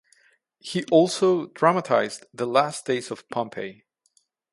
He also dramatised "The Last Days of Pompeii".